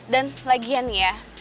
dan lagian ya